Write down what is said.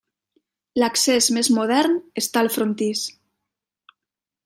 L'accés més modern està al frontis.